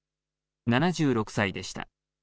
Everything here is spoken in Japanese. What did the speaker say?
７６歳でした。